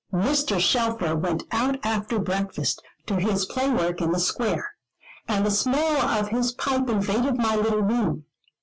Mr. Shelfer went out after breakfast to his play work in the Square, and the smell of his pipe invaded my little room.